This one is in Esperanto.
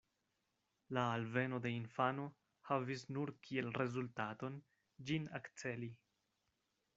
La alveno de infano havis nur kiel rezultaton, ĝin akceli.